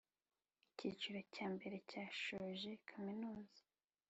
Icyiciro cyambere cyashoje kaminuza